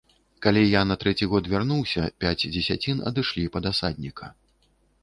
Калі я на трэці год вярнуўся, пяць дзесяцін адышлі пад асадніка.